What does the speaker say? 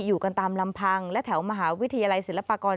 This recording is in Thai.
อยู่กันตามลำพังและแถวมหาวิทยาลัยศิลปากร